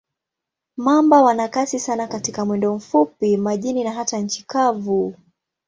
Mamba wana kasi sana katika mwendo mfupi, majini na hata nchi kavu.